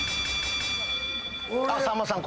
さんまさん